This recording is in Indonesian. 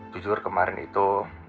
jujur kemarin itu